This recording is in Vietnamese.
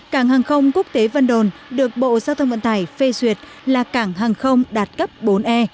cảng hàng không quốc tế vân đồn được bộ giao thông vận tải phê duyệt là cảng hàng không đạt cấp bốn e